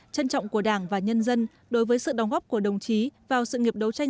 trân trọng của đảng và nhân dân đối với sự đóng góp của đồng chí vào sự nghiệp đấu tranh